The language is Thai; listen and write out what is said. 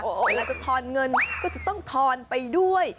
เวลาจะทอนเงินก็จะต้องทอนไปด้วย